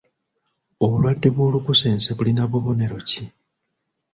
Obulwadde bw'olukusense bulina bubonero ki?